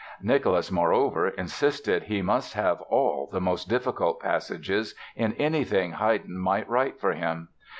Nicholas, moreover, insisted he must have all the most difficult passages in anything Haydn might write for him.